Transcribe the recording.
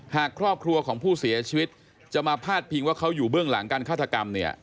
หากครอบครัวของผู้เสียชีวิตจะมาพาดพิงว่าเขาอยู่เบื้องหลังการฆาตกรรมเนี่ย